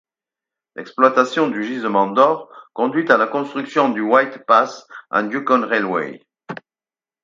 L'exploitation des gisements d'or conduit à la construction du White Pass and Yukon Railway.